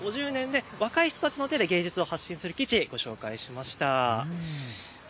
武蔵野線開業から５０年で若い人たちの手で芸術を発信する基地をご紹介しました。